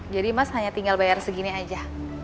jadi mas hanya tinggal bayar segini aja